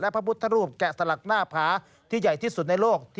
พระพุทธรูปแกะสลักหน้าผาที่ใหญ่ที่สุดในโลก